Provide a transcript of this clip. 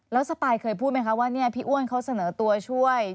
แล้วสปายเคยพูดไหมคะว่าพี่อ้วนเขาเสนอตัวช่วย